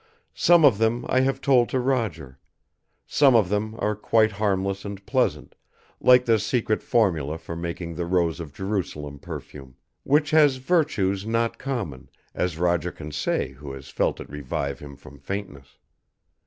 Some of them I have told to Roger. Some of them are quite harmless and pleasant, like the secret formula for making the Rose of Jerusalem perfume; which has virtues not common, as Roger can say who has felt it revive him from faintness.